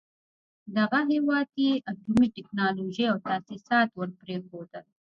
دغه هېواد ته يې اټومي ټکنالوژۍ او تاسيسات ور پرېښول.